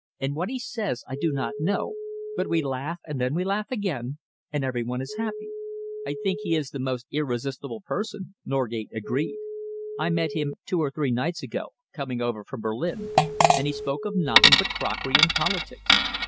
and what he says I do not know, but we laugh, and then we laugh again, and every one is happy." "I think he is the most irresistible person," Norgate agreed. "I met him two or three nights ago, coming over from Berlin, and he spoke of nothing but crockery and politics.